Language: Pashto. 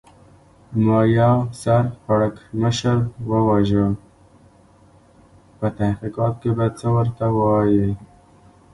ما یو سر پړکمشر و وژه، په تحقیقاتو کې به څه ورته وایې؟